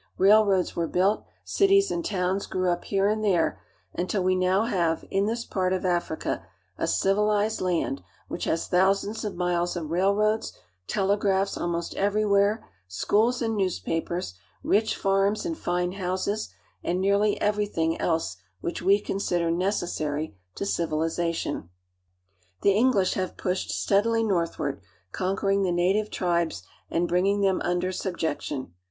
Railroads I were built, cities and towns grew up here and there, until [ we now have, in this part of Africa, a civilized land which has thousands of miles of railroads, telegraphs almost everywhere, schools and newspapers, rich farms and fine I houses, and nearly everything else which we consider I necessary to civilization. The English have pushed steadily northward, conquer [ ing the native tribes and bringing them under subjection.